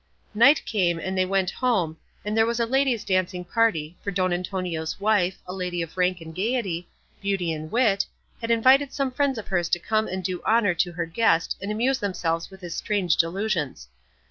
Night came and they went home, and there was a ladies' dancing party, for Don Antonio's wife, a lady of rank and gaiety, beauty and wit, had invited some friends of hers to come and do honour to her guest and amuse themselves with his strange delusions.